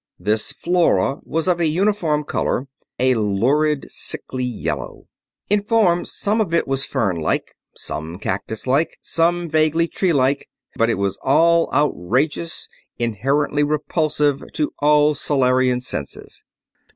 This flora was of a uniform color, a lurid, sickly yellow. In form some of it was fern like, some cactus like, some vaguely tree like; but it was all outrageous, inherently repulsive to all Solarian senses.